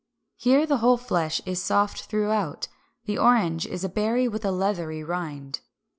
Here the whole flesh is soft throughout. The orange is a berry with a leathery rind.